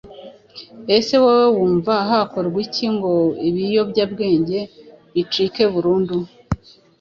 Ese wowe wumva hakorwa iki ngo ibiyobyabwenge bicike burundu?